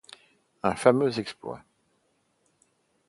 Un fameux exploit.